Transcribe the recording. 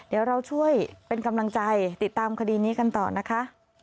เดี๋ยวเราช่วยเป็นกำลังใจติดตามคดีนี้กันต่อนะคะ